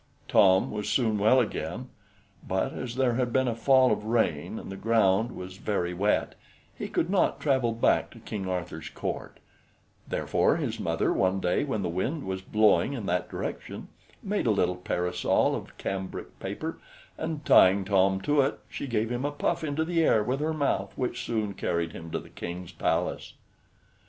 Tom was soon well again; but as there had been a fall of rain, and the ground was very wet, he could not travel back to King Arthur's Court; therefore his mother, one day when the wind was blowing in that direction, made a little parasol of cambric paper, and tying Tom to it, she gave him a puff into the air with her mouth, which soon carried him to the King's palace.